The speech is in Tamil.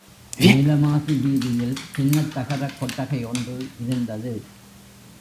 மேல மாசி வீதியில் சின்னத் தகரக் கொட்டகை ஒன்று இருந்தது.